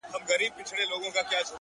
اوس هيڅ خبري مه كوی يارانو ليـونيانـو”